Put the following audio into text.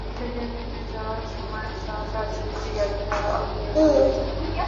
বাস থেকে নেমে যাওয়ার সময় সাত-আট ব্যক্তি গাড়িতে আগুন দিয়ে পালিয়ে যায়।